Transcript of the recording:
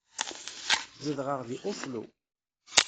Zedɣeɣ deg Oslo.